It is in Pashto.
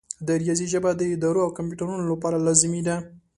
د ریاضي ژبه د ادارو او کمپیوټرونو لپاره لازمي ده.